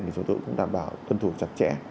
thì chúng tôi cũng đảm bảo tuân thủ chặt chẽ